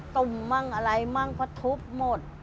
ตุ่มมั่งอะไรมั่งเพราะทุบหมด